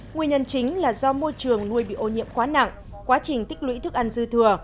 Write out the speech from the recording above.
nguyên nhân chính là do môi trường nuôi bị ô nhiễm quá nặng quá trình tích lũy thức ăn dư thừa